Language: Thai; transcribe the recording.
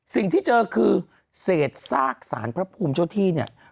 สิ่งที่เจอคือเศษซากสารพระภูมิเจ้าที่เนี่ย